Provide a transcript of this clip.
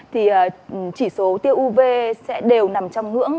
thì chỉ số tiêu uv sẽ đều nằm trong ngưỡng